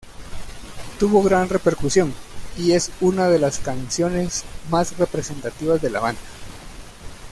Tuvo gran repercusión, y es una de las canciones más representativas de la banda.